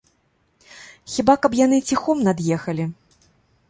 Хіба каб яны ціхом над'ехалі?